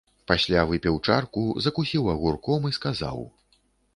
Пасля выпіў чарку, закусіў агурком і сказаў.